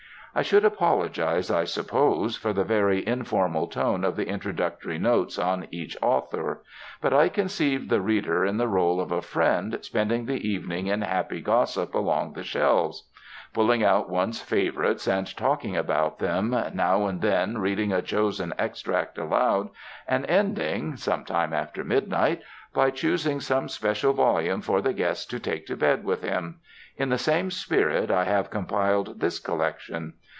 I should apologize, I suppose, for the very informal tone of the introductory notes on each author. But I conceived the reader in the rôle of a friend spending the evening in happy gossip along the shelves. Pulling out one's favorites and talking about them, now and then reading a chosen extract aloud, and ending (some time after midnight) by choosing some special volume for the guest to take to bed with him in the same spirit I have compiled this collection.